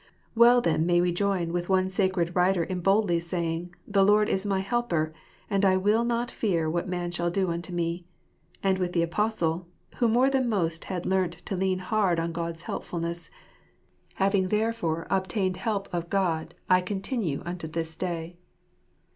Well then may we join with one sacred writer in boldly saying, " The Lord is my helper ; and I will not fear what, man shall do unto me "; and with the Apostle, who more than most had learnt to lean hard on God's helpfulness, " Having, therefore, obtained help of God, I continue unto this day."